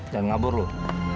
jangan ngabur loh